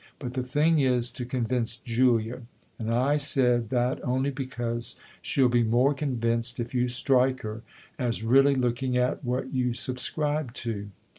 But the thing is to convince Julia, and I said that only because she'll be more convinced if you strike her as really looking at what you subscribe to."